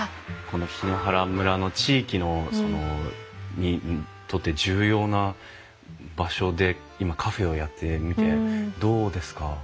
この檜原村の地域にとって重要な場所で今カフェをやってみてどうですか？